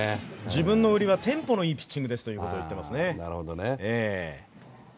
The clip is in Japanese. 自分の売りはテンポのいいピッチングですということを言っていますね。